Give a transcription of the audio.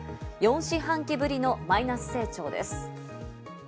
４四半期ぶりのマイナス成長です。